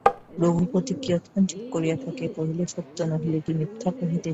রঘুপতি কিয়ৎক্ষণ চুপ করিয়া থাকিয়া কহিলেন, সত্য নহিলে কি মিথ্যা কহিতেছি?